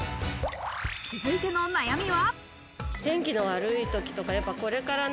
続いての悩みは。